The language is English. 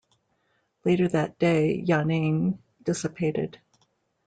Later that day, Yaning dissipated.